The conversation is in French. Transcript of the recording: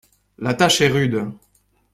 La tâche est rude!